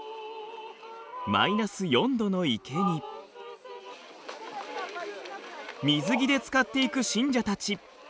マイナス４度の池に水着でつかっていく信者たち。